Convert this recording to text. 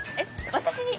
私に？